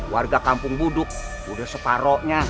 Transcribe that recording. warga kampung buduk udah separohnya